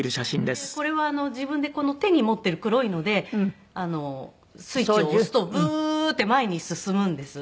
でこれは自分でこの手に持っている黒いのでスイッチを押すとブーッて前に進むんです。